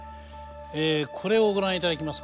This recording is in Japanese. これをご覧いただきます。